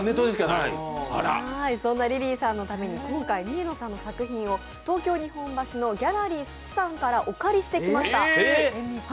そんなリリーさんのため三重野さんの作品を東京日本橋のＧａｌｌｅｒｙＳｕｃｈｉさんからお借りしてきました。